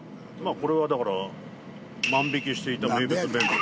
これはだから万引きしていた名物弁当。